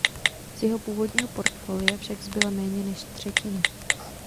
Z jeho původního portfolia však zbyla méně než třetina.